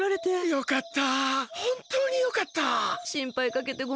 よかった。